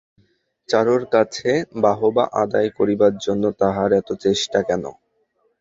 চারুর কাছে বাহবা আদায় করিবার জন্য তাহার এত চেষ্টা কেন।